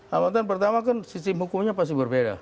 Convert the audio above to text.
hambatan pertama kan sistem hukumnya pasti berbeda